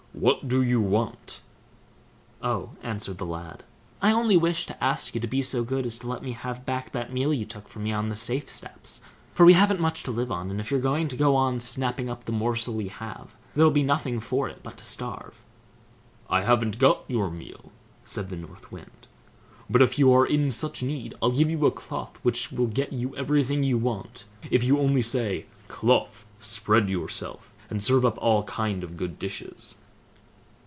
WHAT DO YOU WANT?" "Oh!" answered the lad, "I only wished to ask you to be so good as to let me have back that meal you took from me on the safe steps, for we haven't much to live on; and if you're to go on snapping up the morsel we have, there'll be nothing for it but to starve." "I haven't got your meal", said the North Wind; "but if you are in such need, I'll give you a cloth which will get you everything you want, if you only say, "Cloth, spread yourself, and serve up all kind of good dishes!"